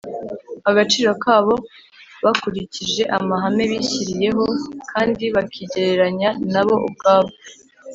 Agaciro kabo bakurikije amahame bishyiriyeho kandi bakigereranya na bo ubwabo